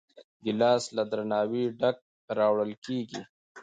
ګیلاس له درناوي ډک راوړل کېږي.